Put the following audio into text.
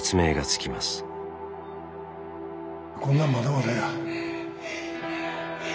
こんなんまだまだや。